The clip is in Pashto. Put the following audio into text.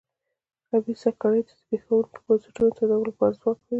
خبیثه کړۍ د زبېښونکو بنسټونو تداوم لپاره ځواک لري.